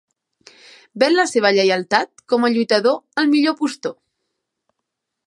Ven la seva lleialtat com a lluitador al millor postor.